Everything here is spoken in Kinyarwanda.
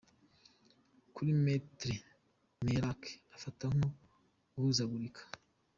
Kuri Maitre Meillarc afata nko guhuzagurika.